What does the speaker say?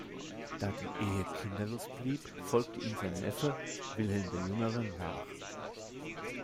Da die Ehe kinderlos blieb, folgte ihm sein Neffe Wilhelm der Jüngere nach.